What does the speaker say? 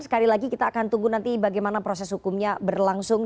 sekali lagi kita akan tunggu nanti bagaimana proses hukumnya berlangsung